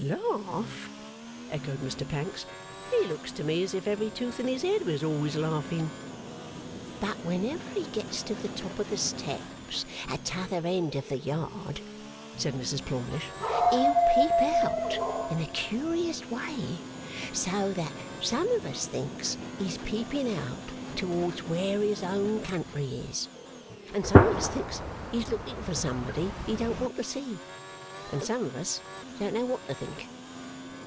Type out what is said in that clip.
'Laugh!' echoed Mr Pancks. 'He looks to me as if every tooth in his head was always laughing.' 'But whenever he gets to the top of the steps at t'other end of the Yard,' said Mrs Plornish, 'he'll peep out in the curiousest way! So that some of us thinks he's peeping out towards where his own country is, and some of us thinks he's looking for somebody he don't want to see, and some of us don't know what to think.